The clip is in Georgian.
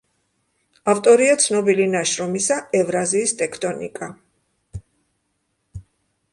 ავტორია ცნობილი ნაშრომისა „ევრაზიის ტექტონიკა“.